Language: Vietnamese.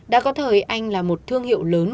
đã có thời anh là một thương hiệu lớn